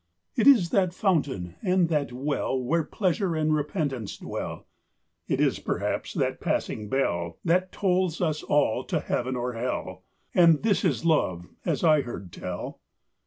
It is that fountain, and that well, Where pleasure and repentance dwell; It is, perhaps, that passing bell That tolls us all to heaven or hell; And this is love, as I heard tell.